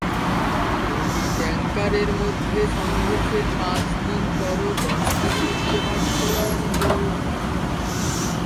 দুটি ট্যাংকারের মধ্যে সংঘর্ষের পাঁচ দিন পরও কর্ণফুলী নদীতে ভাসছে জ্বালানি তেল।